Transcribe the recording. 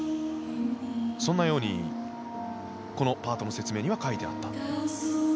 そんなようにこのパートの説明には書いてあった。